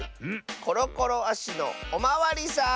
コロコロあしのおまわりさん」。